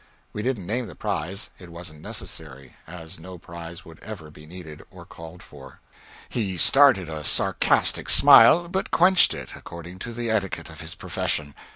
We didn't name the prize it wasn't necessary, as no prize would ever be needed or called for. He started a sarcastic smile, but quenched it, according to the etiquette of his profession.